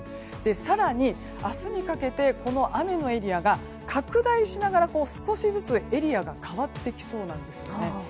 更に、明日にかけてこの雨のエリアが拡大しながら少しずつエリアが変わってきそうなんです。